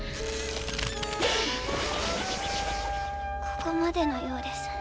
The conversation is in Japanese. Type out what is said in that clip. ここまでのようです